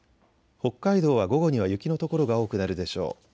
北海道は午後には雪の所が多くなるでしょう。